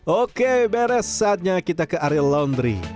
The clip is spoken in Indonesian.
oke beres saatnya kita ke area laundry